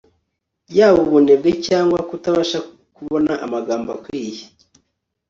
yaba ubunebwe cyangwa kutabasha kubona amagambo akwiye